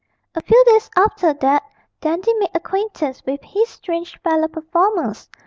A few days after that Dandy made acquaintance with his strange fellow performers.